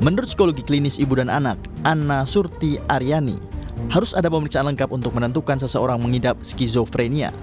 menurut psikologi klinis ibu dan anak ana surti aryani harus ada pemeriksaan lengkap untuk menentukan seseorang mengidap skizofrenia